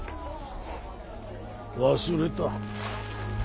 忘れた。